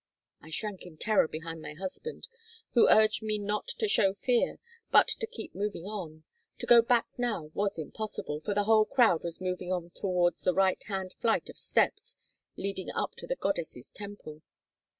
I shrank in terror behind my husband, who urged me not to show fear, but to keep moving on; to go back now was impossible, for the whole crowd was moving on towards the right hand flight of steps leading up to the goddess' temple.